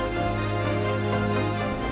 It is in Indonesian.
ya saya sudah berhenti